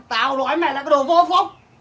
tao nói mày là cái đồ vô phúc